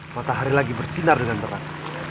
matahari lagi bersinar dengan berat